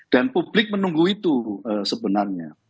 dan publik menunggu itu sebenarnya